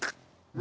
何？